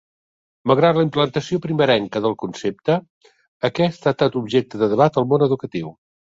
Malgrat la implantació primerenca del concepte, aquest ha estat objecte de debat al món educatiu.